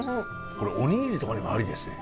これお握りとかにもありですね。